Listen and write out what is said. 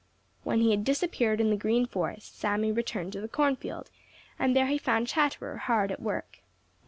When he had disappeared in the Green Forest, Sammy returned to the cornfield, and there he found Chatterer hard at work.